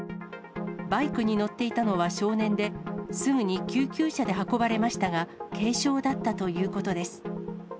バイクに乗っていたのは少年で、すぐに救急車で運ばれましたが、軽傷だったということです。